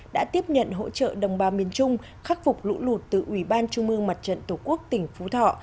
đã tiếp nhận hỗ trợ đồng bào miền trung khắc phục lũ lụt từ ủy ban trung mương mặt trận tổ quốc tỉnh phú thọ